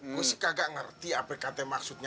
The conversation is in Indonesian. gue sih kagak ngerti apa katanya maksudnya